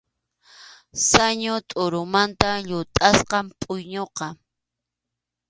Sañu tʼurumanta llutʼasqam pʼuyñuqa.